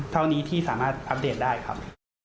เท่านี้ที่สามารถอัปเดตได้ครับ